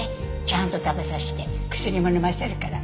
ちゃんと食べさせて薬も飲ませるから。